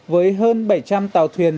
với hơn bảy trăm linh tàu thuyền